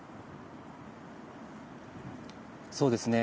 そうですね。